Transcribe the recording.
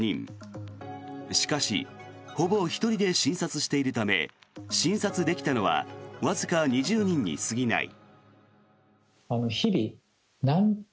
しかしほぼ１人で診察しているため診察できたのはわずか２０人に過ぎない。